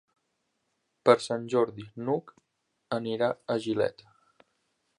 Per Sant Jordi n'Hug anirà a Gilet.